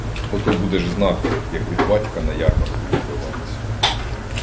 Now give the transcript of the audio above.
Ото будеш знати, як від батька на ярмарку відбиватися.